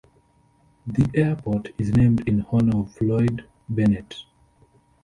The airport is named in honor of Floyd Bennett.